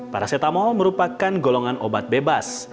paracetamol merupakan golongan obat bebas